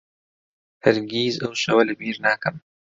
هەرگیز ئەو شەوە لەبیر ناکەم.